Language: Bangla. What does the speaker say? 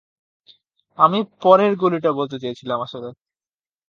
আমি পরের গলিটা বলতে চেয়েছিলাম আসলে।